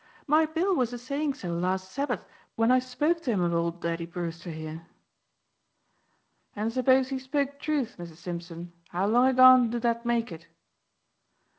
"My Bill was a saying so last Sabbath, when I spoke to him o' old Daddy Brewster, here." "And suppose he spoke truth, Missus Simpson, 'ow long agone do that make it?"